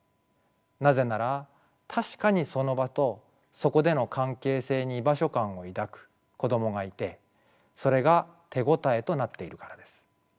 なぜなら確かにその場とそこでの関係性に居場所感を抱く子供がいてそれが手応えとなっているからです。